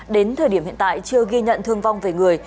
đến thời điểm hiện tại chưa ghi nhận thương vong về người